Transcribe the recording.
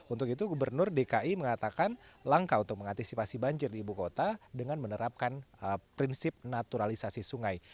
untuk itu gubernur dki mengatakan langkah untuk mengantisipasi banjir di ibu kota dengan menerapkan prinsip naturalisasi sungai